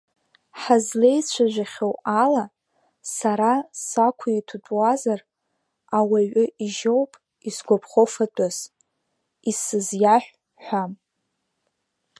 Ҳазлеицәажәахьоу ала, сара сақәиҭутәуазар, ауаҩы ижьоуп исгәаԥхо фатәыс, исызиаҳә, ҳәа.